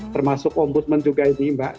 termasuk ombudsman juga ini mbak